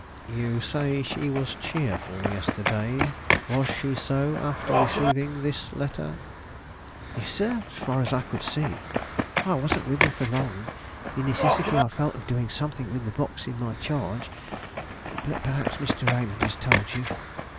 "You say she was cheerful yesterday; was she so after receiving this letter?" "Yes, sir; as far as I could see. I wasn't with her long; the necessity I felt of doing something with the box in my charge but perhaps Mr. Raymond has told you?"